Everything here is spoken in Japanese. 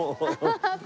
アハハハ